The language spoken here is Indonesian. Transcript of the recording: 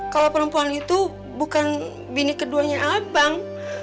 kalau perempuan itu bukan bini keduanya abang